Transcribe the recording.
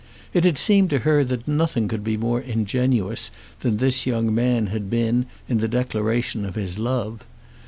It had seemed to her that nothing could be more ingenuous than this young man had been in the declaration of his love.